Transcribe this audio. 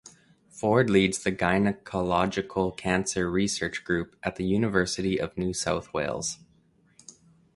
Ford leads the Gynaecological Cancer Research Group at the University of New South Wales.